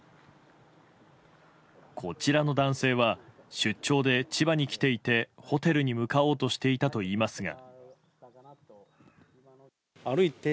こちらの男性は出張で千葉に来ていてホテルに向かおうとしていたといいますが。